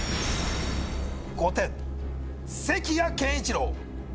５点関谷健一朗